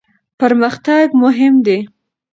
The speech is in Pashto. پرمختګ مهم دی.